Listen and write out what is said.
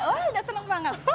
wah udah seneng banget